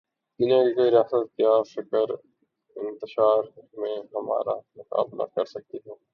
دنیا کی کوئی ریاست کیا فکری انتشار میں ہمارا مقابلہ کر سکتی ہے؟